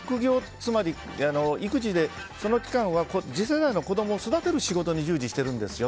つまり育児で、その期間は次世代の子供を育てる仕事に従事してるんですよ